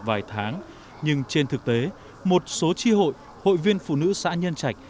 vài tháng nhưng trên thực tế một số tri hội hội viên phụ nữ xã nhân trạch